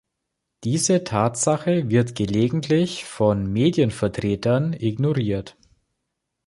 Diese Tatsache wird gelegentlich von Medienvertretern ignoriert.